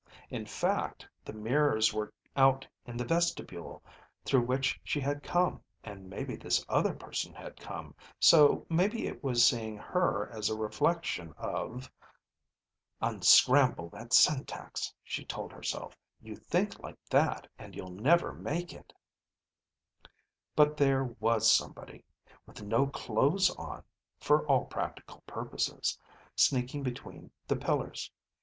In fact the mirrors were out in the vestibule through which she had come and maybe this other person had come, so maybe it was seeing her as a reflection of ... "Unscramble that syntax," she told herself. "You think like that and you'll never make it." But there was somebody, with no clothes on (for all practical purposes) sneaking between the pillars.